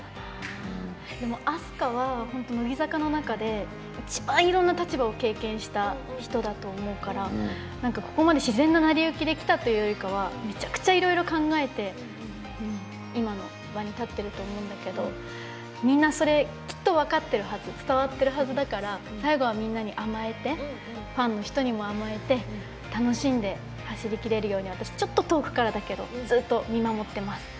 飛鳥は本当、乃木坂の中で一番いろんな立場を経験した人だと思うからここまで自然な成り行きできたというよりはめちゃくちゃいろいろ考えて今の場に立ってると思うんだけどみんな、きっとそれ分かってるはず伝わってるはずだから最後は、みんなに甘えてファンの人にも甘えて楽しんで走りきれるように私、ちょっと遠くからだけどずっと見守ってます。